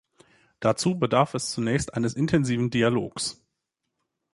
Dazu bedarf es zunächst eines intensiven Dialogs.